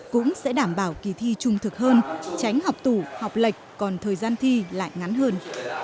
cũng sẽ đảm bảo kỳ thi trung thực hơn tránh học tủ học lệch còn thời gian thi lại ngắn hơn